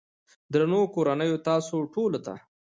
درنو کورنيو تاسو ټولو ته